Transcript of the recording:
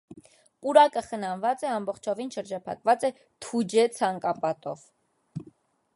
Պուրակը խնամված է, ամբողջովին շրջափակված է թուջե ցանկապատով։